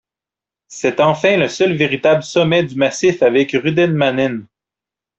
C'est en fait le seul véritable sommet du massif avec Rundemanen.